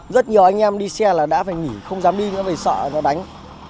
rất nhiều anh em đi xe là đã phải nghỉ không dám đi nữa phải sợ nó đánh